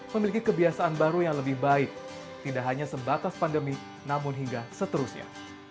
memiliki kebiasaan baru yang lebih baik tidak hanya sebatas pandemi namun hingga seterusnya